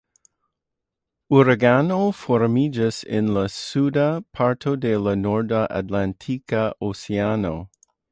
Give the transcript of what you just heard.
Uraganoj formiĝas en la suda parto de la Norda Atlantika Oceano.